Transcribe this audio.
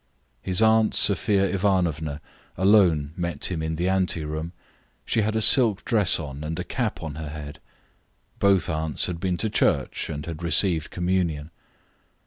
His aunt Sophia Ivanovna alone met him in the ante room; she had a silk dress on and a cap on her head. Both aunts had been to church and had received communion.